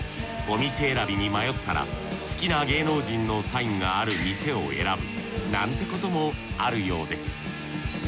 お店選びに迷ったら好きな芸能人のサインがある店を選ぶなんてこともあるようです。